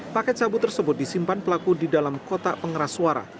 paket sabu tersebut disimpan pelaku di dalam kotak pengeras suara